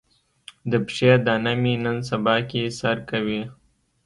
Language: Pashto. د پښې دانه مې نن سبا کې سر کوي.